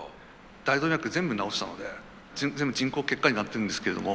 大動脈全部治したので全部人工血管になってるんですけども。